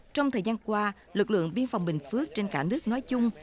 trong thời gian qua lực lượng biên phòng bình phước trên cả nước nói chung